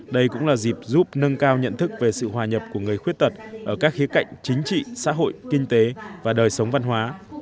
đây cũng là dịp giúp nâng cao nhận thức về sự hòa nhập của người khuyết tật ở các khía cạnh chính trị xã hội kinh tế và đời sống văn hóa